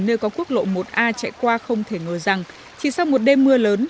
nơi có quốc lộ một a chạy qua không thể ngờ rằng chỉ sau một đêm mưa lớn